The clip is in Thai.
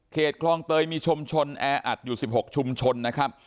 คลองเตยมีชุมชนแออัดอยู่๑๖ชุมชนนะครับ